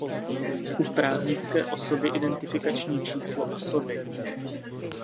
U právnické osoby identifikační číslo osoby.